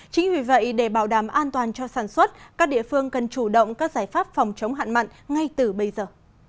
chính vì vậy để bảo đảm an toàn cho sản xuất các địa phương cần chủ động các giải pháp phòng chống hạn mặn ngay từ bây giờ